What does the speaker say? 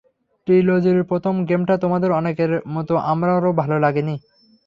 ট্রিলজির প্রথম গেমটা তোমাদের অনেকের মতো আমারও ভালো লাগেনি।